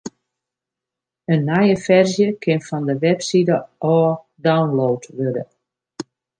In nije ferzje kin fan de webside ôf download wurde.